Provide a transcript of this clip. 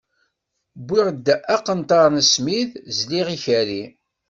Wwiɣ-d aqenṭar n smid, zliɣ ikerri.